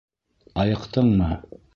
Айыҡтыңмы?